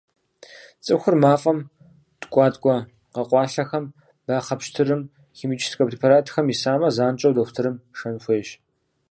Цӏыхур мафӏэм, ткӏуаткӏуэ къэкъуалъэхэм, бахъэ пщтырым, химическэ препаратхэм исамэ, занщӏэу дохутырым шэн хуейщ.